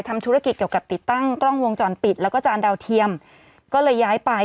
ทำธุรกิจเกี่ยวกับติดตั้งกล้องวงจรปิดแล้วก็จานดาวเทียมก็เลยย้ายไป